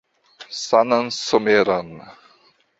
Sanan someron.